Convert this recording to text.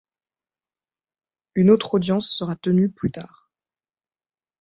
Une autre audience sera tenue plus tard.